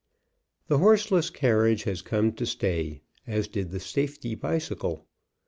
The horseless carriage has come to stay, as did the safety bicycle.